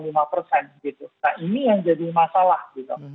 nah ini yang jadi masalah gitu